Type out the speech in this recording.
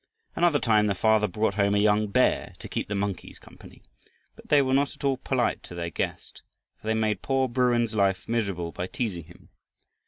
Another time the father brought home a young bear to keep the monkeys company, but they were not at all polite to their guest, for they made poor bruin's life miserable by teasing him.